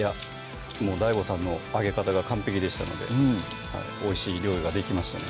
ＤＡＩＧＯさんの揚げ方が完璧でしたのでおいしい料理ができましたね